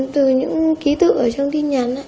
từ những ký tự ở trong tin nhắn